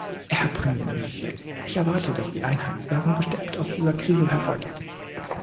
Herr Premierminister, ich erwarte, dass die Einheitswährung gestärkt aus dieser Krise hervorgeht.